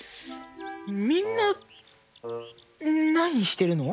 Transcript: みんななにしてるの？